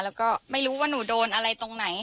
แล้วก็ไม่รู้ว่าหนูโดนอะไรตรงไหน